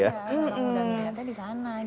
iya kalau udah diingatnya di sana